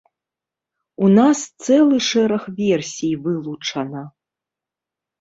У нас цэлы шэраг версій вылучана.